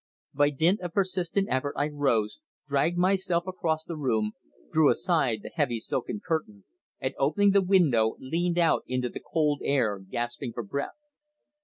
By dint of persistent effort I rose, dragged myself across the room, drew aside the heavy silken curtain, and opening the window leaned out into the cold air, gasping for breath.